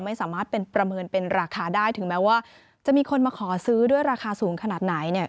ไม่สามารถเป็นประเมินเป็นราคาได้ถึงแม้ว่าจะมีคนมาขอซื้อด้วยราคาสูงขนาดไหนเนี่ย